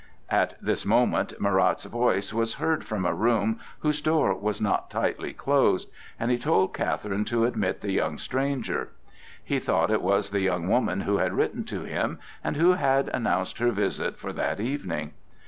At this moment Marat's voice was heard from a room whose door was not tightly closed, and he told Catherine to admit the young stranger. He thought it was the young woman who had written to him, and who had announced her visit for that evening.